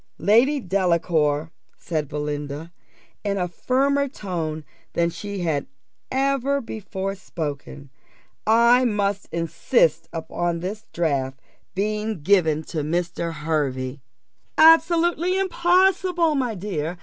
"Lady Delacour," said Belinda, in a firmer tone than she had ever before spoken, "I must insist upon this draft being given to Mr. Hervey." "Absolutely impossible, my dear.